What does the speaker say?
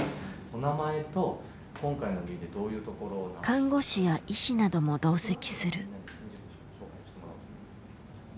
看護師や医師なども同席する。